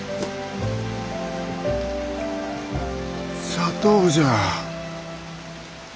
砂糖じゃ。